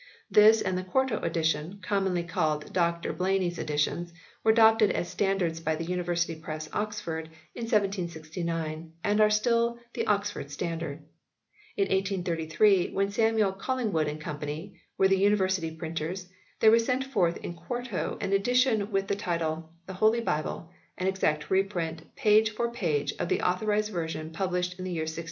This and the quarto edition, commonly called Dr Blayney s editions, were adopted as standards by the University Press, Oxford, in 1769, and are still the Oxford Standard. In 1833, when Samuel Collingwood and Co. were the University printers, there was sent forth in quarto an edition with the title :" The Holy Bible, an exact reprint, page for page, of the Authorised Version published in the year 1611."